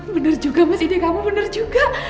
bener juga mas ide kamu benar juga